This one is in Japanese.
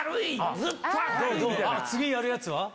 次やるやつは？